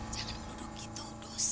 jangan meluduk gitu dosa